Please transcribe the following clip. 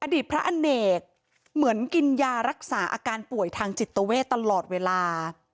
อดีตพระอเนกเหมือนกินยารักษาอาการป่วยทางจิตเวทตลอดเวลา